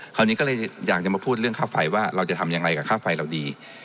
คราวนี้ก็เลยอยากจะมาพูดเรื่องค่าไฟว่าเราจะทำอย่างไรกับค่าไฟเราดี